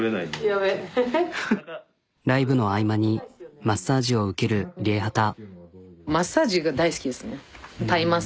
ライブの合間にマッサージを受けるＲＩＥＨＡＴＡ。